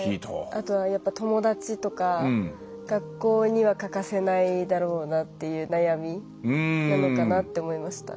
あとはやっぱ「友達」とか学校には欠かせないだろうなっていう悩みなのかなって思いました。